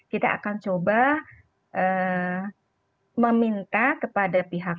kita akan coba meminta kepada pihak